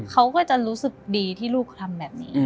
เขาก็จะรู้สึกดีที่ลูกทำแบบนี้